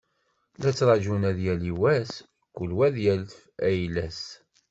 La ttrağun ad yali wass, kul wa ad yaf ayla-s.